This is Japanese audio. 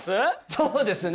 そうですね！